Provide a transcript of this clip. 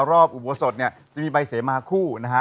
รอบอุบวสดเนี่ยจะมีใบเสมหาคู่นะฮะ